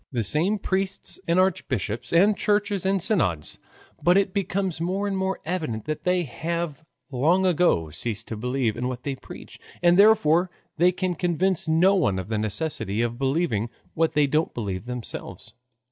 The same priests and archbishops and churches and synods, but it becomes more and more evident that they have long ago ceased to believe in what they preach, and therefore they can convince no one of the necessity of believing what they don't believe themselves.